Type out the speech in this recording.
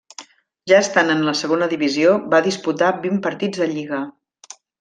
Ja estant en la segona divisió, va disputar vint partits de lliga.